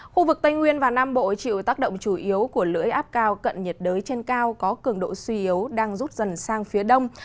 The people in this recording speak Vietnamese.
khu vực tây nguyên và nam bộ chịu tác động chủ yếu của lưỡi áp cao cận nhiệt đới trên cao có cường độ suy yếu đang rút dần sang phía đông